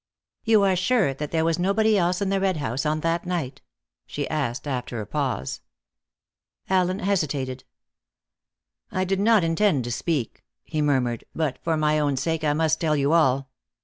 "You are sure that there was nobody else in the Red House on that night?" she asked, after a pause. Allen hesitated. "I did not intend to speak," he murmured; "but for my own sake I must tell you all.